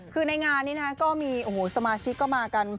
คือในงานนี้ก็มีสมาชิกเข้ามากัน